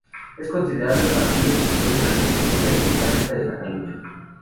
Es considerado el partido sucesor de Convergencia Democrática de Cataluña.